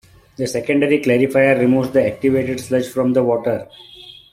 The secondary clarifier removes the activated sludge from the water.